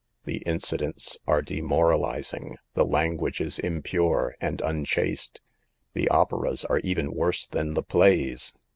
The incidents are demoralizing, the language is impure and unchaste. The operas are even worse than the plays.